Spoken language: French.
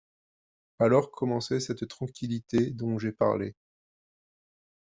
Alors commençait cette tranquillité dont j'ai parlé.